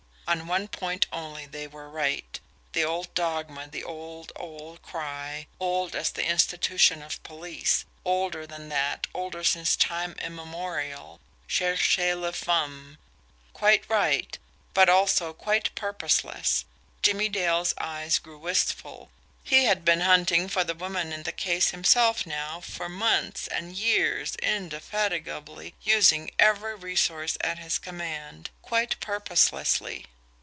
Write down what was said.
On one point only they were right, the old dogma, the old, old cry, old as the institution of police, older than that, old since time immemorial CHERCHEZ LA FEMME! Quite right but also quite purposeless! Jimmie Dale's eyes grew wistful. He had been "hunting for the woman in the case" himself, now, for months and years indefatigably, using every resource at his command quite purposelessly.